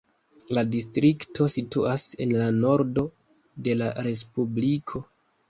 La distrikto situas en la nordo de la respubliko.